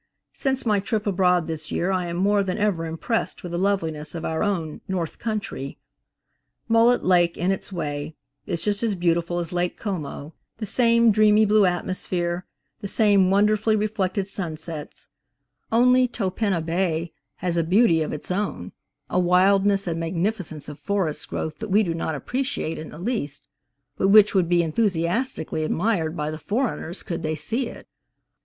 Since my trip abroad this year I am more than ever impressed with the loveliness of our own "North Countree." Mullet Lake, in its way, is just as beautiful as Lake Como; the same dreamy blue atmosphere, the same wonderfully reflected sunsets; only Topinabée has a beauty of its own, a wildness and magnificence of forest growth that we do not appreciate in the least, but which would be enthusiastically admired by the foreigners could they see it.